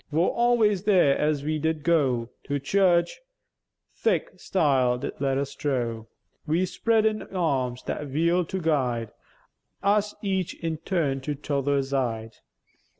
Vor always there, as we did goo To church, thik stile did let us drough, Wi' spreadèn eärms that wheel'd to guide Us each in turn to tother zide.